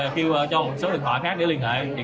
kêu cho một số lịch hỏa khác để liên hệ